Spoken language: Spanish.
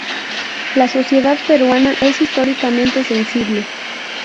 La sociedad peruana es históricamente sensible.